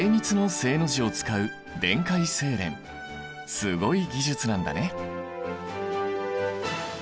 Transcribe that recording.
すごい技術なんだね。